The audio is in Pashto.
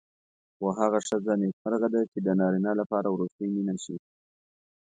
خو هغه ښځه نېکمرغه ده چې د نارینه لپاره وروستۍ مینه شي.